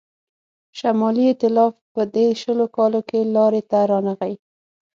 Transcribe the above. شمالي ایتلاف په دې شلو کالو کې لاري ته رانغی.